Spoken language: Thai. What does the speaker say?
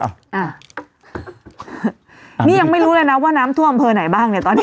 อันนี้ยังไม่รู้เลยนะว่าน้ำท่วมอำเภอไหนบ้างเนี่ยตอนนี้